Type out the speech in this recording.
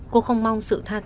cô không mong sự thay đổi